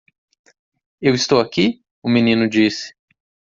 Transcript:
"Eu estou aqui?" o menino disse.